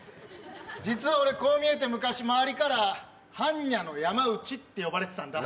実は俺、こう見えて昔、周りから般若山内って呼ばれてたんだ。